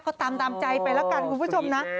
เขาตามใจไปละกันคุณผู้ชมนะ